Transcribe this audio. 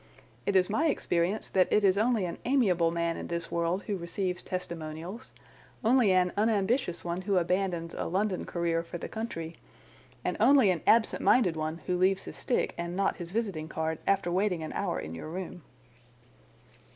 It is my experience that it is only an amiable man in this world who receives testimonials, only an unambitious one who abandons a London career for the country, and only an absent minded one who leaves his stick and not his visiting card after waiting an hour in your room."